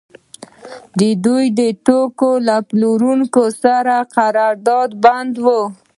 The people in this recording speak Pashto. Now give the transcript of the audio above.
دوی د توکو له پلورونکو سره قرارداد بنداوه